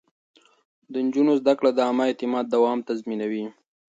د نجونو زده کړه د عامه اعتماد دوام تضمينوي.